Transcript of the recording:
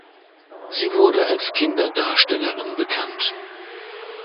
Sie wurde als Kinderdarstellerin bekannt.